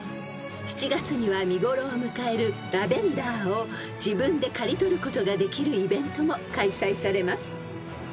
［７月には見頃を迎えるラベンダーを自分で刈り取ることができるイベントも開催されます］